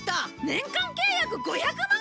年間契約５００万！？